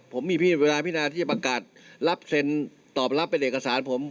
ผมมีเวลาพินาที่จะประกาศรับเซ็นตอบรับเป็นเอกสารผม